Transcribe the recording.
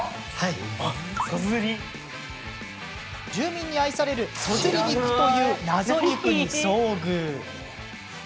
住民に愛される、そずり肉というナゾ肉に遭遇。